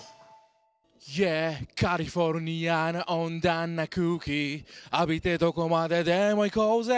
「Ｙｅａｈカリフォルニアの温暖な空気」「浴びてどこまででも行こうぜ」